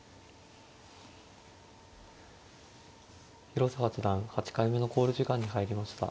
広瀬八段８回目の考慮時間に入りました。